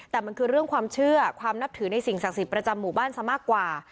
แต่มันคือเรื่องความเชื่อความนับถือในสิ่งศักดิ์สิทธิ์ประจำหมู่บ้านซะมากกว่า